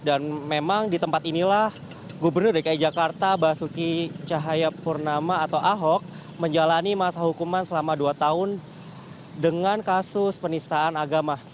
dan memang di tempat inilah gubernur dki jakarta basuki cahayapurnama atau ahok menjalani masa hukuman selama dua tahun dengan kasus penistaan agama